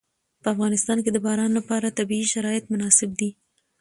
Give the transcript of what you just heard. په افغانستان کې د باران لپاره طبیعي شرایط مناسب دي.